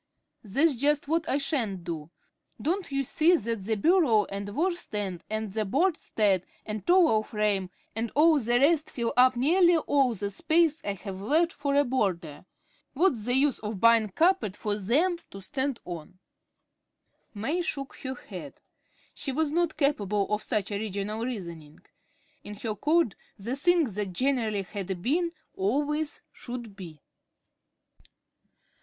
"That's just what I sha'n't do. Don't you see that the bureau and washstand and the bedstead and towel frame and all the rest fill up nearly all the space I have left for a border. What's the use of buying carpet for them to stand on?" May shook her head. She was not capable of such original reasoning. In her code the thing that generally had been always should be.